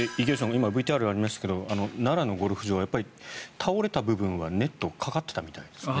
今、ＶＴＲにありましたが奈良のゴルフ場はやっぱり倒れた部分はネットかかってたみたいですね。